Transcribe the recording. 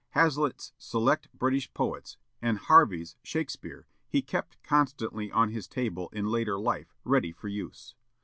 Hazlitt's "Select British Poets" and Harvey's "Shakespeare" he kept constantly on his table in later life, ready for use.